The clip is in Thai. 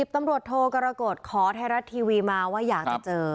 ตำรวจโทกรกฎขอไทยรัฐทีวีมาว่าอยากจะเจอ